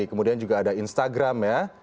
kemudian juga ada instagram ya